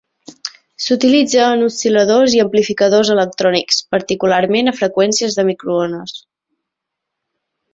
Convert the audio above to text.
S'utilitza en oscil·ladors i amplificadors electrònics, particularment a freqüències de microones.